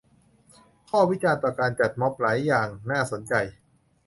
ข้อวิจารณ์ต่อการจัดม็อบหลายอย่างน่าสนใจ